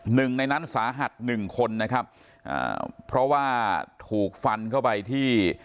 หนึ่งในนั้นสาหัสหนึ่งคนนะครับอ่าเพราะว่าถูกฟันเข้าไปที่